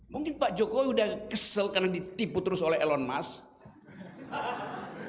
mungkin pak jokowi udah kesel karena ditipu terus oleh elon musk